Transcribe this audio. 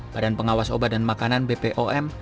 badan pengawas obat dan makanan bpom